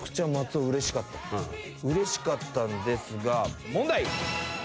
うれしかったんですが問題。